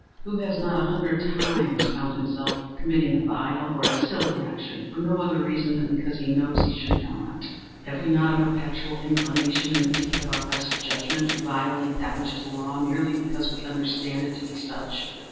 Who has not, a hundred times, found himself committing a vile or a silly action, for no other reason than because he knows he should not? Have we not a perpetual inclination, in the teeth of our best judgment, to violate that which is Law, merely because we understand it to be such?